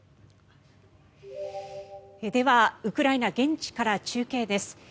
では、ウクライナ現地から中継です。